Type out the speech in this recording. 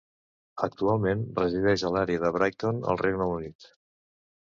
Actualment, resideix a l'àrea de Brighton al Regne Unit.